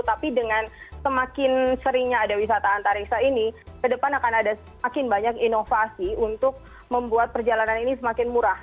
tapi dengan semakin seringnya ada wisata antariksa ini ke depan akan ada semakin banyak inovasi untuk membuat perjalanan ini semakin murah